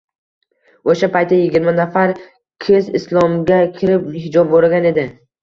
Oʻsha paytda yigirma nafar kiz Islomga kirib, hijob oʻragan edi